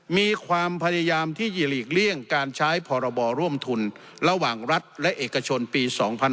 มีความพยายามที่จะหลีกเลี่ยงการใช้พรบร่วมทุนระหว่างรัฐและเอกชนปี๒๕๕๙